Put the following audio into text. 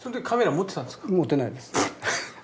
持ってないです。